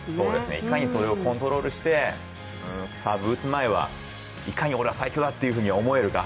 いかにそれをコントロールしてサーブを打つ前は、いかに俺は最強だと思えるか。